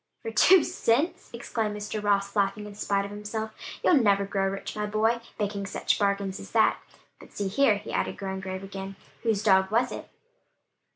"For two cents!" exclaimed Mr. Ross laughing in spite of himself. "You'll never grow rich, my boy, making such bargains as that. But see here," he added, growing grave again, "whose dog was it?"